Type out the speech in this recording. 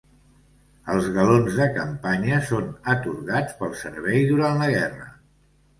Els galons de campanya són atorgats pel servei durant la guerra.